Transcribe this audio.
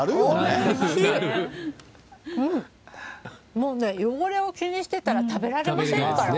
もうね、汚れを気にしてたら食べられませんから。